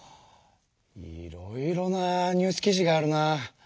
いろいろなニュース記事があるな。